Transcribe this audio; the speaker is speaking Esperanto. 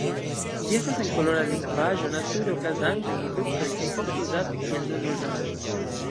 Ĝi estas senkolora likvaĵo nature okazanta en fruktoj kaj ofte uzata kiel nutro-aldonaĵo.